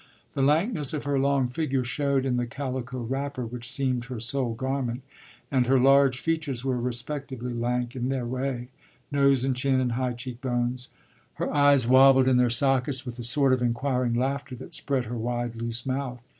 The lankness of her long figure showed in the calico wrapper which seemed her sole garment; and her large features were respectively lank in their way, nose and chin and high cheek bones; her eyes wabbled in their sockets with the sort of inquiring laughter that spread her wide, loose mouth.